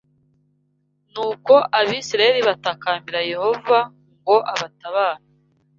Nuko Abisirayeli batakambira Yehova ngo abatabare